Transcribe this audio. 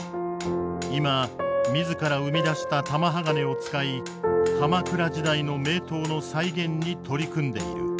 今自ら生み出した玉鋼を使い鎌倉時代の名刀の再現に取り組んでいる。